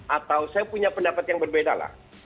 atau saya punya pendapat yang berbeda lah